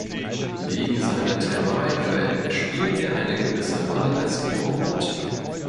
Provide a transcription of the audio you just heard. Wegen seiner Thermalquellen spielt er eine gewisse Rolle als Kurort.